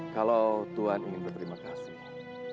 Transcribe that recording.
kalau tuhan ingin berterima kasih